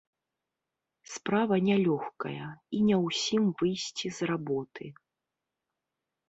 Справа не лёгкая, і не ўсім выйсці з работы.